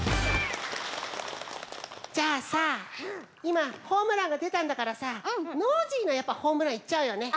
じゃあさいまホームランがでたんだからさノージーのやっぱホームランいっちゃうよね。